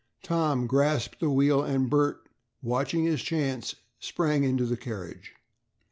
Tom grasped the wheel and Bert, watching his chance, sprang into the carriage.